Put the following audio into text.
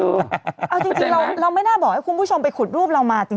เอาจริงเราไม่น่าบอกให้คุณผู้ชมไปขุดรูปเรามาจริง